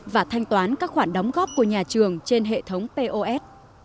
và thanh toán các khoản đóng góp của nhà trường trên hệ thống pos